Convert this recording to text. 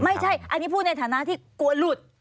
ไม่ใช่อันนี้พูดในฐานะที่กลัวหลุด